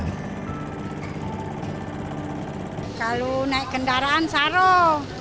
kalau naik kendaraan saruh